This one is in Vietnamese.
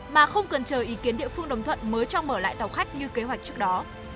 mà không cần chờ ý kiến địa phương đồng thuận mới cho mở lại tàu khách như kế hoạch trước đó